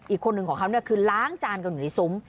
อีกคนนึงของเขาเนี่ยคือล้างจานกันอยู่ในซุ้ม